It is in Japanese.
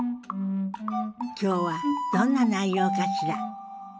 今日はどんな内容かしら。